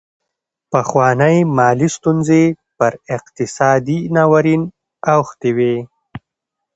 پخوانۍ مالي ستونزې پر اقتصادي ناورین اوښتې وې.